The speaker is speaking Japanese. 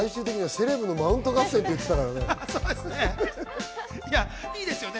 セレブのマウント合戦って言ってたからね。